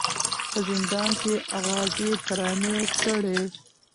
په زندان کي یې آغازي ترانې کړې